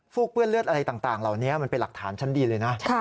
เปื้อนเลือดอะไรต่างเหล่านี้มันเป็นหลักฐานชั้นดีเลยนะ